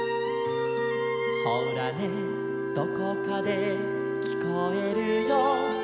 「ほらねどこかできこえるよ」